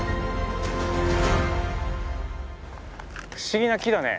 不思議な木だね。